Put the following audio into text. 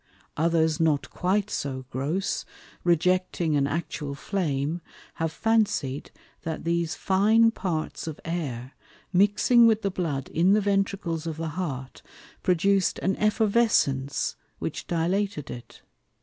Others not quite so gross, rejecting an Actual Flame, have fancied, that these fine Parts of Air mixing with the Blood in the Ventricles of the Heart, produc'd an Effervescence which dilated it.